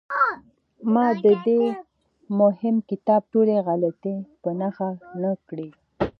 ما د دې مهم کتاب ټولې غلطۍ په نښه نه کړې.